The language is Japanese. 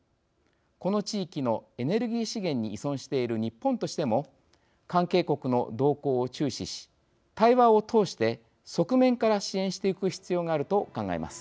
この地域のエネルギー資源に依存している日本としても関係国の動向を注視し対話を通して、側面から支援してゆく必要があると考えます。